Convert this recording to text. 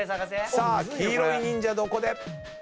さあ黄色い忍者どこで。